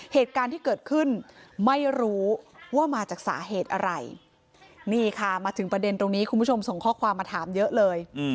เหตุการณ์ที่เกิดขึ้นไม่รู้ว่ามาจากสาเหตุอะไรนี่ค่ะมาถึงประเด็นตรงนี้คุณผู้ชมส่งข้อความมาถามเยอะเลย